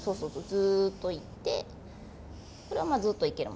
ずっといってこれはずっといけるもんね。